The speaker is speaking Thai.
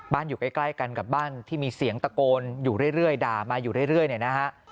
อยู่ใกล้กันกับบ้านที่มีเสียงตะโกนอยู่เรื่อยด่ามาอยู่เรื่อยเนี่ยนะฮะ